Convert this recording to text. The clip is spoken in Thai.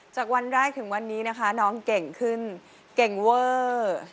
จากวันแรกถึงวันนี้นะคะน้องเก่งขึ้นเก่งเวอร์